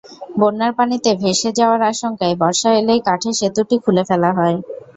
বন্যার পানিতে ভেসে যাওয়ার আশঙ্কায় বর্ষা এলেই কাঠের সেতুটি খুলে ফেলা হয়।